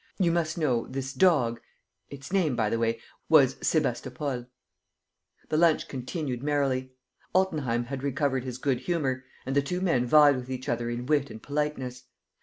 You must know, this dog its name, by the way, was Sebastopol. ..." The lunch continued merrily. Altenheim had recovered his good humor and the two men vied with each other in wit and politeness.